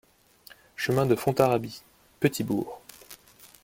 Chemin de Fontarabie, Petit-Bourg